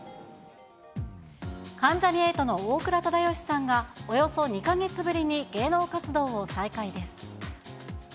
関ジャニ∞の大倉忠義さんが、およそ２か月ぶりに芸能活動を再開です。